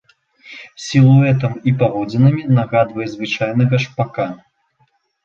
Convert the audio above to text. Сілуэтам і паводзінамі нагадвае звычайнага шпака.